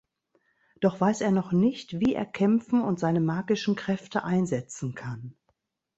Doch weiß er noch nicht, wie er kämpfen und seine magischen Kräfte einsetzen kann.